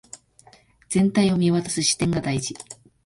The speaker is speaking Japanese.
全体を見渡す視点が大事